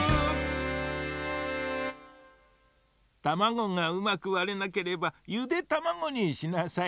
たまごがうまくわれなければゆでたまごにしなさい。